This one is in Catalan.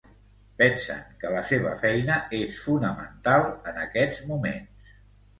Pensen que la seva feina és fonamental en aquests moments?